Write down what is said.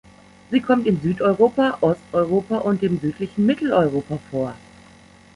Sie kommt in Südeuropa, Osteuropa und dem südlichen Mitteleuropa vor.